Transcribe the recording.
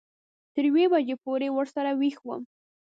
تر یوې بجې پورې ورسره وېښ وم.